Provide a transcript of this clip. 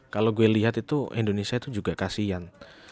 kalau gue lihat itu indonesia itu juga kasian